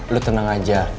lo tenang aja